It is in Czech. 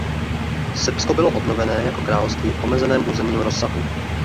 Srbsko bylo obnovené jako království v omezeném územním rozsahu.